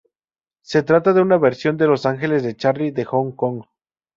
Se trata de una versión de Los Ángeles de Charlie de Hong Kong.